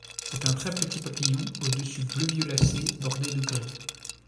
C'est un très petit papillon au dessus bleu violacé bordé de gris.